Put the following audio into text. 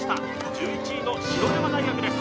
１１位の白山大学です